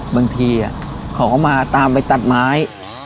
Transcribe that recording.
บางทีเขาก็มาตามไปตัดไม้